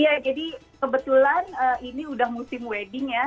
ya jadi kebetulan ini udah musim wedding ya